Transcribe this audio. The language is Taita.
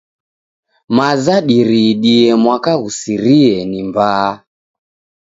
Maza diriidie mwaka ghusirie ni mbaa.